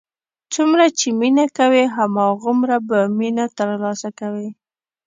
څومره چې مینه کوې، هماغومره به مینه تر لاسه کوې.